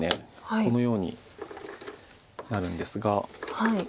このようになるんですが。